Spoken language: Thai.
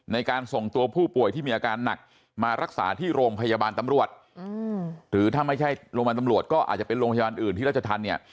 ในการส่งตัวผู้ป่วยที่มีอาการหนักมารักษาที่โรงพยาบาลตำรวจหรือถ้าไม่ใช่โรงพยาบาลตำรวจก็อาจจะเป็นโรงพยาบาลอื่นที่ราชธรรมเนี่ย